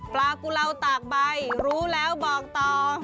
กุลาวตากใบรู้แล้วบอกต่อ